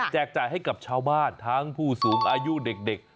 จ่ายให้กับชาวบ้านทั้งผู้สูงอายุเด็ก